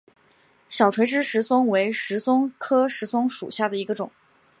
小垂枝石松为石松科石松属下的一个种。